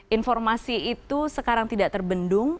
informasi itu sekarang tidak terbendung